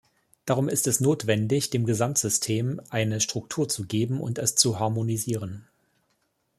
Darum ist es notwendig, dem Gesamtsystem eine Struktur zu geben und es zu harmonisieren.